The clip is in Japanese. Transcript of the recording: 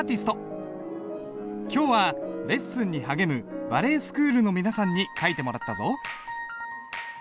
今日はレッスンに励むバレエスクールの皆さんに書いてもらったぞ。